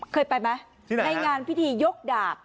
เคยไปไหมที่ไหนครับในงานพิธียกดาบ